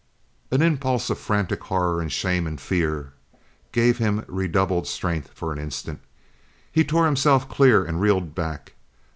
An impulse of frantic horror and shame and fear gave him redoubled strength for an instant. He tore himself clear and reeled back.